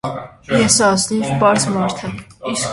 Ես ազնիվ, պարզ մարդ եմ։